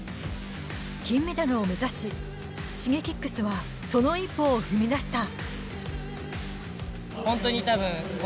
金メダルを目指し、Ｓｈｉｇｅｋｉｘはその一歩を踏み出した。